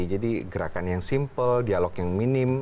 jadi gerakan yang simple dialog yang minim